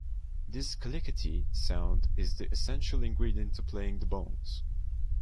This "click-it-y" sound is the essential ingredient to playing the bones.